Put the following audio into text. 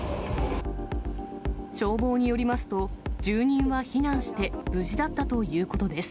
消防によりますと、住人は避難して無事だったということです。